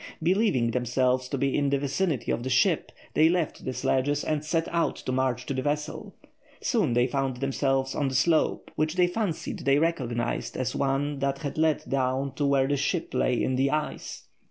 Believing themselves to be in the vicinity of the ship, they left the sledges and set out to march to the vessel. Soon they found themselves on a slope which they fancied they recognised as the one that led down to where the ship lay in the ice.